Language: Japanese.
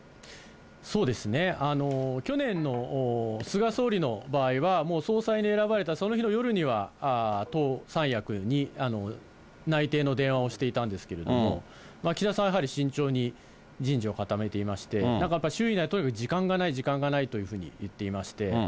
そうですね、去年の菅総理の場合は、総裁に選ばれたその日の夜には、党三役に内定の電話をしていたんですけれども、岸田さんはやはり慎重に人事を固めていまして、なんかやっぱり、周囲にはとにかく時間がない、時間がないというふうに言っていまして。